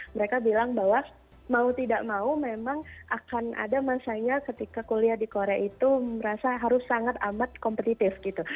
mereka bilang bahwa mau tidak mau memang akan ada masanya ketika kuliah di korea itu merasa harus sangat amat kompetitif gitu